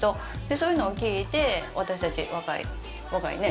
そういうのを聞いて、私たち若い若いね？